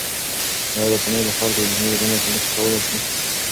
آیا رسنۍ د خلکو په ذهني روزنه کې مرسته کولای شي؟